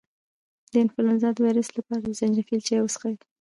د انفلونزا د ویروس لپاره د زنجبیل چای وڅښئ